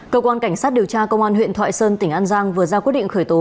cơ quan cảnh sát điều tra công an huyện thoại sơn tỉnh an giang vừa ra quyết định khởi tố